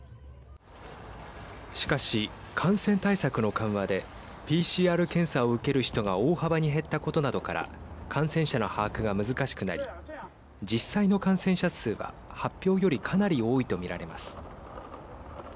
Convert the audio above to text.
しかし、感染対策の緩和でＰＣＲ検査を受ける人が大幅に減ったことなどから感染者の把握が難しくなり実際の感染者数は発表よりかなり多いと見られます。